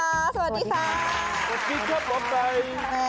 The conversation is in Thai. สวัสดีครับหมอไก่